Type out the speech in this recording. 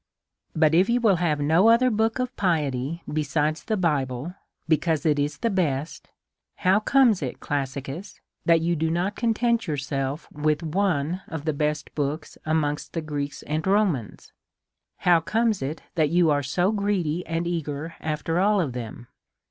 But if you will have no other book of piety besides the Bible, because it is the best, how comes it, Classi cus, that you do not content yourself with one of the best books amongst the Greeks and Romans ? How DEVOUT AND HOLY LIFE. 183 comes it that you are so greedy and eager after all of them